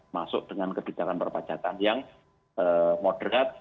masuk dengan kebijakan perpajakan yang moderat